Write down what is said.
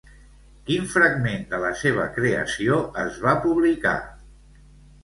Quin fragment de la seva creació es va publicar?